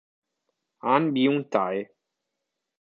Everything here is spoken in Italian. Ahn Byung-tae